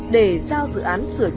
để giao dự án sửa chống